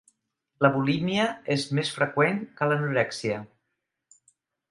La bulímia és més freqüent que l'anorèxia.